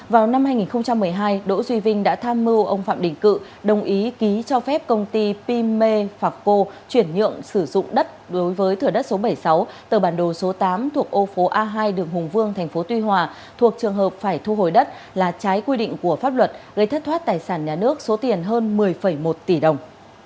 vào năm hai nghìn một mươi hai đỗ duy vinh đã tham mưu ông phạm đình cự đồng ý ký cho phép công ty pime phạc cô chuyển nhượng sử dụng đất đối với thửa đất số bảy mươi sáu tờ bản đồ số tám thuộc ô phố a hai đường hùng vương tp tuy hòa thuộc trường hợp phải thu hồi đất là trái quy định của pháp luật gây thất thoát tài sản nhà nước số tiền hơn một mươi một tỷ đồng